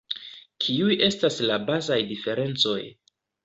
Kiuj estas la bazaj diferencoj?